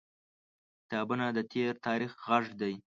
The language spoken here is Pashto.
• کتابونه د تیر تاریخ غږ دی.